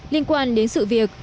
liên quan đến sự việc